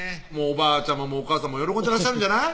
おばあちゃまもお母さまも喜んでらっしゃるんじゃない？